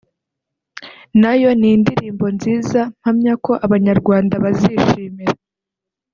nayo ni indirimbo nziza mpamya ko abanyarwanda bazishimira